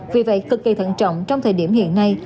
vì vậy cực kỳ thận trọng trong thời điểm hiện nay